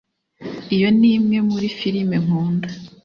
iyo ni imwe muri firime nkunda